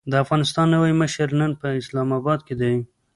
د افغانستان نوی مشر نن په اسلام اباد کې دی.